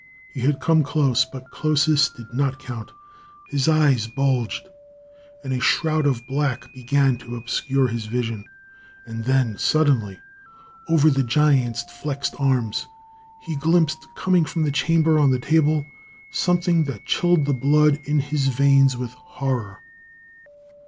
He had come close, but closeness did not count. His eyes bulged, and a shroud of black began to obscure his vision. And then, suddenly, over the giant's flexed arms, he glimpsed, coming from the chamber on the table, something that chilled the blood in his veins with horror.